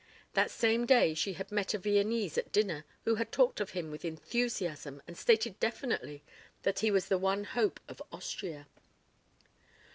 That same day she had met a Viennese at dinner who had talked of him with enthusiasm and stated definitely that he was the one hope of Austria.